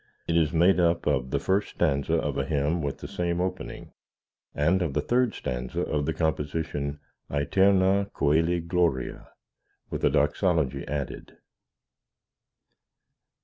It is made up of the first stanza of a hymn with the same opening, and of the third stanza of the composition, Æterna cœli gloria, with a doxology added.